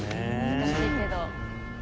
難しいけど。